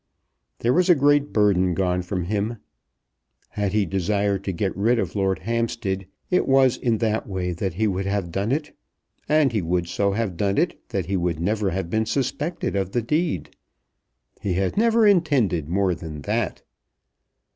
There was a great burden gone from him. Had he desired to get rid of Lord Hampstead, it was in that way that he would have done it; and he would so have done it that he would never have been suspected of the deed. He had never intended more than that.